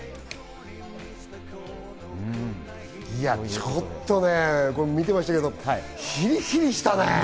ちょっとね、見てましたけど、ヒリヒリしたね。